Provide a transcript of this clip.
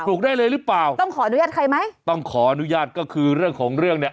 ได้เลยหรือเปล่าต้องขออนุญาตใครไหมต้องขออนุญาตก็คือเรื่องของเรื่องเนี้ย